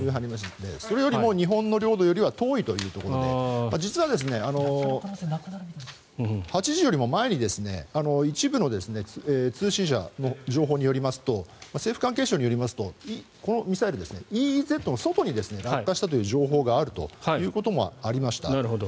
それよりも日本の領土よりは遠いというところで実は、８時よりも前に一部の通信社の情報によりますと政府関係者によりますとこのミサイル、ＥＥＺの外に落下したという情報があるということもありました。